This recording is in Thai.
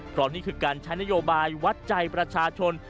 เพราะนี่คือการใช้นโยบายวัดใจประชาชน